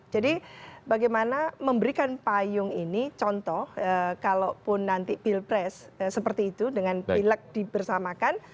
jadi bagaimana memberikan payung ini contoh kalaupun nanti pilpres seperti itu dengan pilek dibersamakan